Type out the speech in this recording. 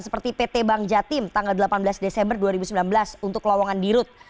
seperti pt bank jatim tanggal delapan belas desember dua ribu sembilan belas untuk lowongan dirut